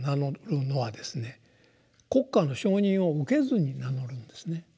国家の承認を受けずに名乗るんですね。